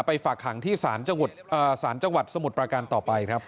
ฝากขังที่ศาลจังหวัดสมุทรประการต่อไปครับ